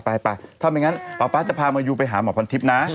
ถ้าไม่อย่างนั้นป๊าป๊าจะพามาอยู่ไปหาหมอพรทิพย์นะ